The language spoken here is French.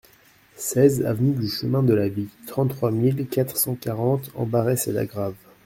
seize avenue du Chemin de la Vie, trente-trois mille quatre cent quarante Ambarès-et-Lagrave